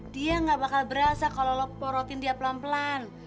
dia gak bakal berasa kalau lo porotin dia pelan pelan